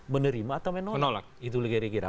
menolak atau menolak menolak itu gara gara